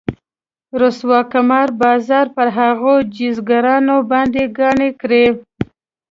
رسوا قمار بازان پر هغو جيزګرانو باندې ګاڼه کړي.